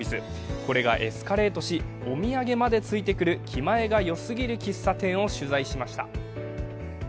これがエスカレートし、お土産までついてくる気前がよすぎる喫茶店を取材しました。